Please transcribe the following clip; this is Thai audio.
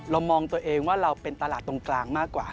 มองตัวเองว่าเราเป็นตลาดตรงกลางมากกว่า